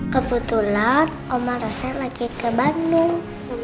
kebetulan oma roset lagi ke bandung